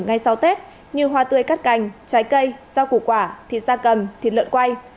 ngay sau tết như hoa tươi cắt cành trái cây rau củ quả thịt da cầm thịt lợn quay